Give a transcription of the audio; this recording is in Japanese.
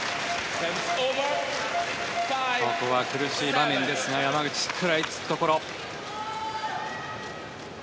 ここは苦しい場面ですが山口、食らいつくところ。